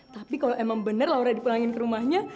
tapi kalau emang bener laura dipulangin ke rumahnya